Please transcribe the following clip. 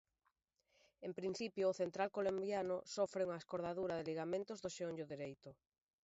En principio o central colombiano sofre unha escordadura de ligamentos do xeonllo dereito.